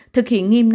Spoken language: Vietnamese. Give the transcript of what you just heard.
thực hiện nghiêm năm k